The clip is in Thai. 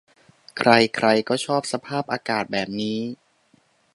ใครใครก็ชอบสภาพอากาศแบบนี้